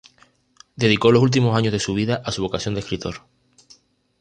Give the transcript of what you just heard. Dedicó los últimos años de su vida a su vocación de escritor.